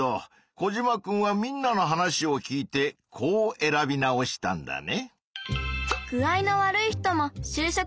コジマくんはみんなの話を聞いてこう選び直したんだね。